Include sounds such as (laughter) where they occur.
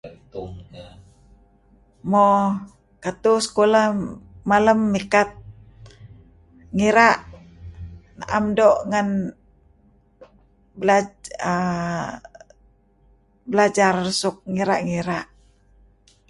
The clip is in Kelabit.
(noise) moq katuh sekolah malam mikat ngirah, (silence) am do ngan [bez...][aah]belajar suk ngirah ngirah.